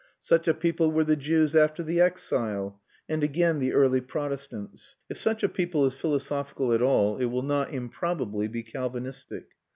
Such a people were the Jews after the exile, and again the early Protestants. If such a people is philosophical at all, it will not improbably be Calvinistic.